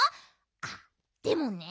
あっでもね。